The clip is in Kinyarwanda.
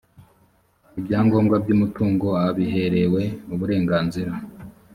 ibyangombwa by’umutungo abiherewe uburenganzira